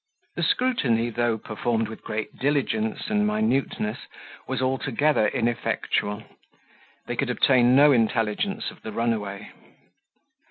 The scrutiny, though performed with great diligence and minuteness, was altogether ineffectual; they could obtain no intelligence of the runaway.